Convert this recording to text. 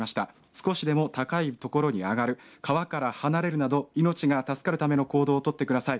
少しでも高いところに上がる川から離れるなど命が助かるための行動を取ってください。